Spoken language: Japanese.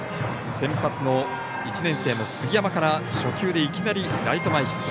先発の１年生の杉山から初球でいきなりライト前ヒット。